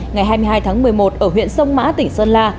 ngày hai mươi hai tháng một mươi một ở huyện sông mã tỉnh sơn la